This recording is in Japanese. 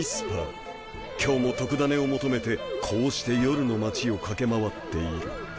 今日も特ダネを求めてこうして夜の街を駆け回っている。